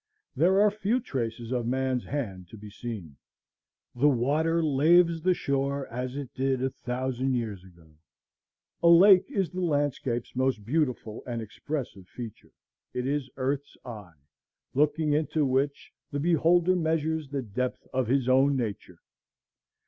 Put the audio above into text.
There are few traces of man's hand to be seen. The water laves the shore as it did a thousand years ago. A lake is the landscape's most beautiful and expressive feature. It is earth's eye; looking into which the beholder measures the depth of his own nature.